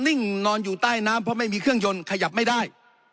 ่งนอนอยู่ใต้น้ำเพราะไม่มีเครื่องยนต์ขยับไม่ได้